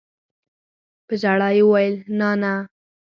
په ژړا يې وويل نانىه.